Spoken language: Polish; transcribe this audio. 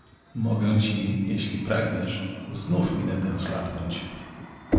Mogę ci, jeśli pragniesz, znów minetę chlapnąć